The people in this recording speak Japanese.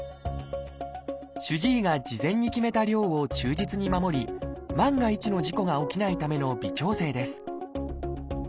主治医が事前に決めた量を忠実に守り万が一の事故が起きないための微調整です